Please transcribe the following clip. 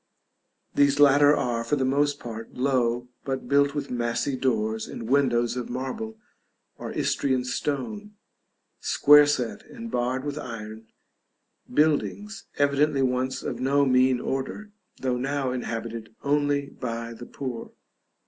These latter are, for the most part, low, but built with massy doors and windows of marble or Istrian stone, square set and barred with iron; buildings evidently once of no mean order, though now inhabited only by the poor.